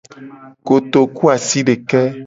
Kotokuasideke.